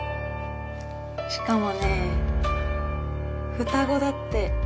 しかもね双子だって。